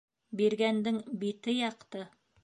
Биргәндең бите яҡты.